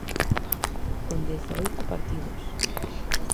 Con dezaoito partidos.